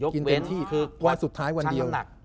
ยกเว้นคือก่อนช่างคำหนัก